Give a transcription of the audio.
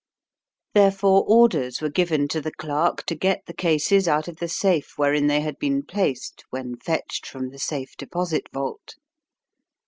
Therefore, orders were given to the clerk to get the cases out of the safe wherein they had been placed when fetched from the Safe Deposit Vault.